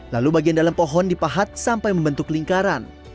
lalu bagian dalam pohon dipahat sampai membentuk lingkaran